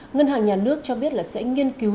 ngân hàng nhà nước cho biết sẽ nghiên cứu